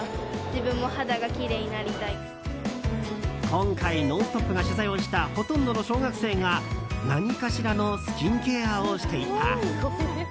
今回「ノンストップ！」が取材をしたほとんどの小学生が何かしらのスキンケアをしていた。